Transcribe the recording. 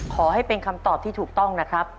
ขอให้เป็นคำตอบที่ถูกต้องนะครับ